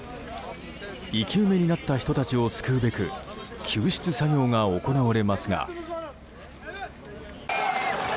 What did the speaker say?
生き埋めになった人たちを救うべく救出作業が行われますが。